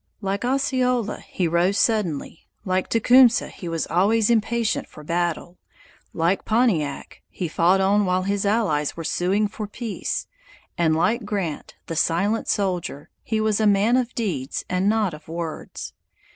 Like Osceola, he rose suddenly; like Tecumseh he was always impatient for battle; like Pontiac, he fought on while his allies were suing for peace, and like Grant, the silent soldier, he was a man of deeds and not of words.